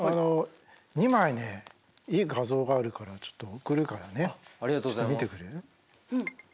２枚ねいい画像があるからちょっと送るからねちょっと見てくれる？